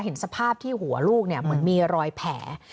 เห็นสภาพที่หัวลูกเนี่ยเหมือนมีรอยแผล